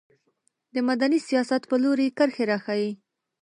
د مدني سیاست په لوري کرښې راښيي.